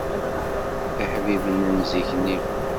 Iḥbiben n zik-nni